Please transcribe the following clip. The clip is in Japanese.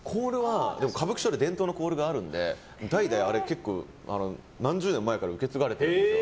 歌舞伎町で伝統のコールがあるので何十年も前から受け継がれてるんですよ。